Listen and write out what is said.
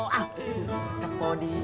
ah kak odi